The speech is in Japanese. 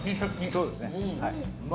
そうですねはい。